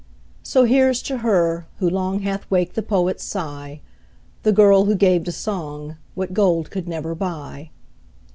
So here's to her, who long Hath waked the poet's sigh, The girl, who gave to song What gold could never buy.